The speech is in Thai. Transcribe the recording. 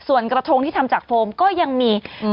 ส่วนกระทงที่ทำจากโฟมก็ยังมี